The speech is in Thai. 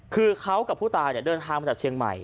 คือเขากับผู้ตายเดินทางมาจากเชียงใหม่